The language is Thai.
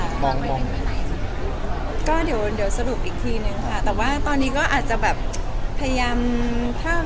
มองก็เดี๋ยวสรุปอีกทีนึงค่ะแต่ว่าตอนนี้ก็อาจจะแบบพยายาม